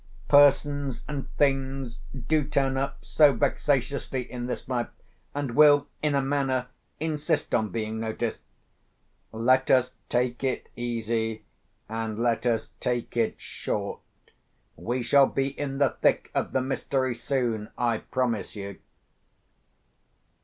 —Persons and Things do turn up so vexatiously in this life, and will in a manner insist on being noticed. Let us take it easy, and let us take it short; we shall be in the thick of the mystery soon, I promise you!